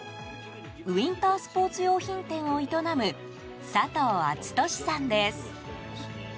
ウィンタースポーツ用品店を営む佐藤敦俊さんです。